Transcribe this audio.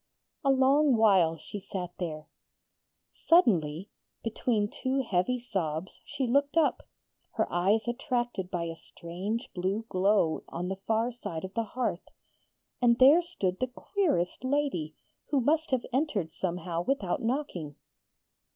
A long while she sat there. Suddenly, between two heavy sobs she looked up, her eyes attracted by a strange blue glow on the far side of the hearth: and there stood the queerest lady, who must have entered somehow without knocking.